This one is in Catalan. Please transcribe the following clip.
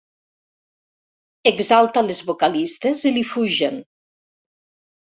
Exalta les vocalistes i li fugen.